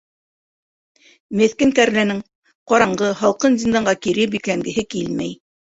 Меҫкен кәрләнең ҡараңғы, һалҡын зинданға кире бикләнгеһе килмәй.